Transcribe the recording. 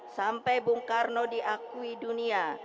sampai bung karno diakui dunia